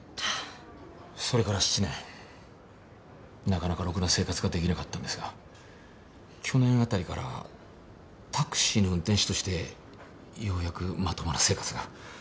なかなかろくな生活が出来なかったんですが去年あたりからタクシーの運転手としてようやくまともな生活が。